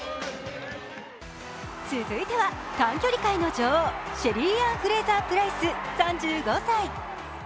続いては短距離界の女王シェリーアン・フレイザー・プライス３５歳。